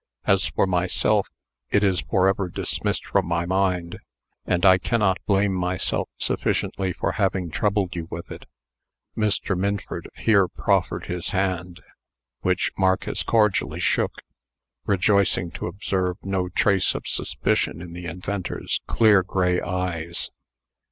As for myself, it is forever dismissed from my mind; and I cannot blame myself sufficiently for having troubled you with it." Mr. Minford here proffered his hand, which Marcus cordially shook, rejoicing to observe no trace of suspicion in the inventor's clear gray eyes.